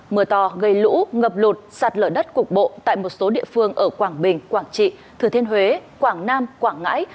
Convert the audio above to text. mưa to gây lũ ngập lụt sạt lở đất cục bộ tại một số địa phương ở quảng bình quảng trị thừa thiên huế quảng nam quảng ngãi